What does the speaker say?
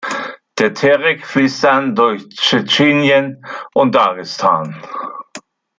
Der Terek fließt dann durch Tschetschenien und Dagestan.